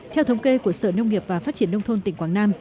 theo thống kê của sở nông nghiệp và phát triển nông thôn tỉnh quảng nam